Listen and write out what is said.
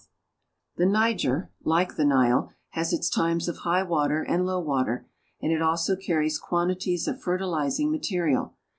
1 82 ^V 182 ^^H The Niger, iike the Nile, has its times of high water and ^^^B low water, and it also carries quantities of fertilizing mate ^^^r rial.